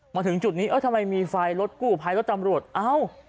มาถึงจุดนี้เอ้ยทำไมมีไฟรถกู้ภัยรถตำรวจเอ้า